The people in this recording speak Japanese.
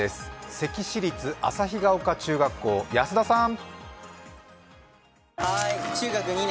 関市立旭ヶ丘中学校、安田さん。